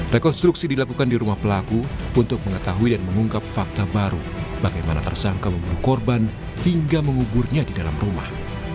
rekonstruksi dilakukan di rumah pelaku untuk mengetahui dan mengungkap fakta baru bagaimana tersangka membunuh korban hingga menguburnya di dalam rumah